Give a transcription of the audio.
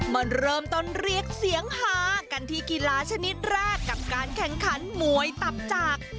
มาเริ่มต้นเรียกเสียงฮากันที่กีฬาชนิดแรกกับการแข่งขันมวยตับจาก